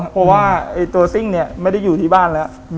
เพราะว่าตัวซิ่งเนี่ยไม่ได้อยู่ที่บ้านแล้ว